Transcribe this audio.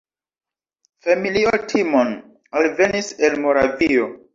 Familio Timon alvenis el Moravio.